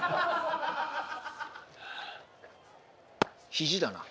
肘だな。